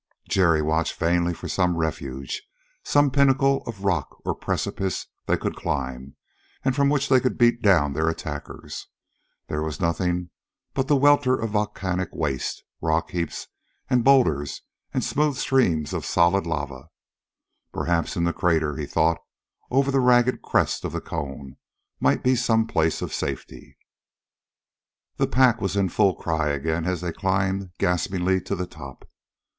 Jerry watched vainly for some refuge, some pinnacle of rock or precipice they could climb, and from which they could beat down their attackers. There was nothing but the welter of volcanic waste: rock heaps and boulders and smooth streams of solid lava. Perhaps in the crater, he thought, over the ragged crest of the cone, might be some place of safety. The pack was in full cry again as they climbed gaspingly to the top.